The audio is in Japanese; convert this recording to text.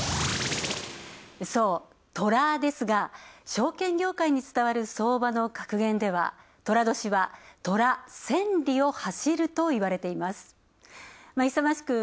そうトラですが、証券業界に伝わる相場の格言では寅年は、寅、千里を走るといわれています。